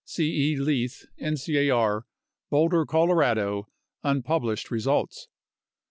E. Leith, ncar, Boulder, Colorado, un published results).